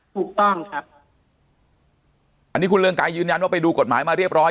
ถูกต้องครับอันนี้คุณเรืองไกรยืนยันว่าไปดูกฎหมายมาเรียบร้อย